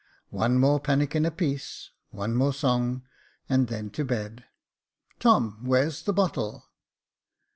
One more pannikin apiece, one more song, and then to bed. Tom, Where's the bottle